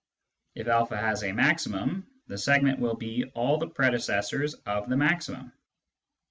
If a has a maximum, the sequent will be all the predecessors of the maximum.